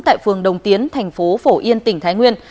tại phường đồng tiến tp phổ yên tỉnh thái nguyên